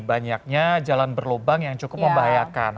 banyaknya jalan berlubang yang cukup membahayakan